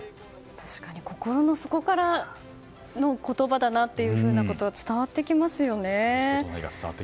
確かに心の底からの言葉だなということは伝わってきますよね。